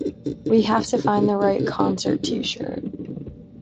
We have to find the right concert T-shirt.